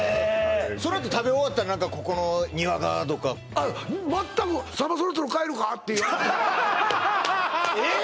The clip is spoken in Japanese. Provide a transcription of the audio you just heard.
そのあと食べ終わったら何かここの庭がとかあっ全くさんまそろそろ帰るかって言われてええっ！？